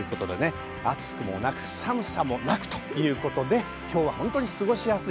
暑くもなく寒さもなくということで今日は本当に過ごしやすい